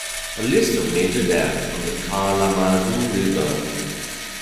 A list of major dams on the Kalamazoo River.